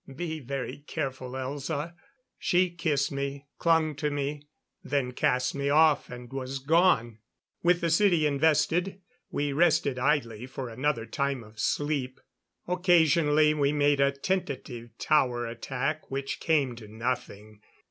"Be very careful, Elza." She kissed me, clung to me; then cast me off and was gone. With the city invested, we rested idly for another time of sleep. Occasionally we made a tentative tower attack which came to nothing.